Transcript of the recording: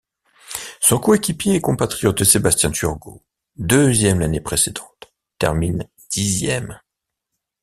Son coéquipier et compatriote Sébastien Turgot, deuxième l'année précédente, termine dixième.